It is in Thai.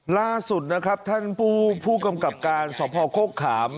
ล่าสุดนะครับท่านผู้กำกับการสภโคกขาม